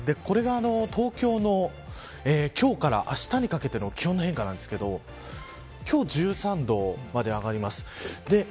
これが東京の今日からあしたにかけての気温の変化なんですが今日１３度まで上がります。